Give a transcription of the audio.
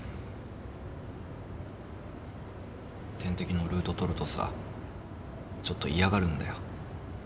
点滴のルートとるとさちょっと嫌がるんだよ。